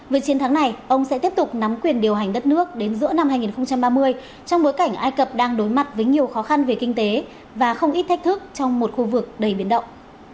với chiến thắng này ông sẽ tiếp tục nắm quyền điều hành đất nước đến giữa năm hai nghìn ba mươi trong bối cảnh ai cập đang đối mặt với nhiều khó khăn về kinh tế và không ít thách thức trong một khu vực đầy biển động